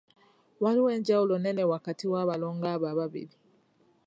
Waliwo enjawulo nnene wakati w'abalongo abo ababiri.